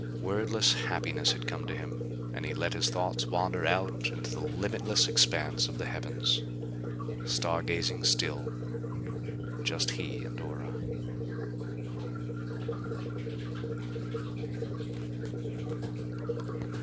Wordless happiness had come to him, and he let his thoughts wander out into the limitless expanse of the heavens. Star gazing still just he and Ora.